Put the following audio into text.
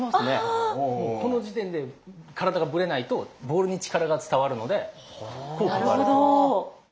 この時点で体がブレないとボールに力が伝わるので効果がある。